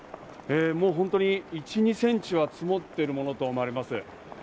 もう本当に１２ｃｍは積もっているものと思われます。